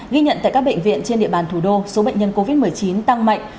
ghi nhận tại các bệnh viện trên địa bàn thủ đô số bệnh nhân covid một mươi chín tăng mạnh